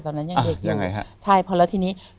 ยังไรครับพอแล้วทีนี้อ่อยังไงครับ